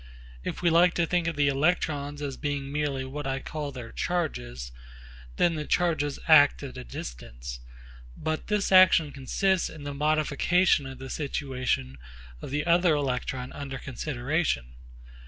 If we like to think of the electrons as being merely what I call their charges, then the charges act at a distance. But this action consists in the modification of the situation of the other electron under consideration.